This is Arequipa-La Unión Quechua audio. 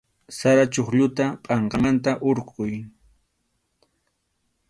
Sara chuqlluta pʼanqanmanta hurquy.